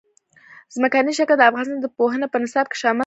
ځمکنی شکل د افغانستان د پوهنې په نصاب کې شامل دي.